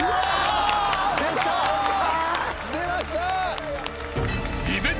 出ました！